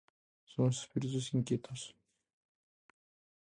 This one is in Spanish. Somos espíritus inquietos.